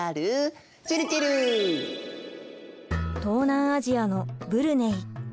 東南アジアのブルネイ。